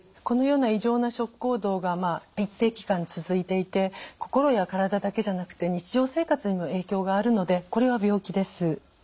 このような異常な食行動が一定期間続いていて心や体だけじゃなくて日常生活にも影響があるのでこれは病気です。